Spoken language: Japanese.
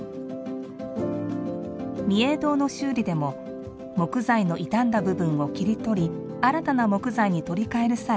御影堂の修理でも木材の傷んだ部分を切り取り新たな木材に取り替える際